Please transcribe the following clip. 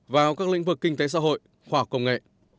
vào các lĩnh vực kinh tế xã hội hoặc công nghệ